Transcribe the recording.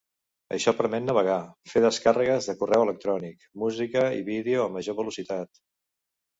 Això permet navegar, fer descàrregues de correu electrònic, música i vídeo a major velocitat.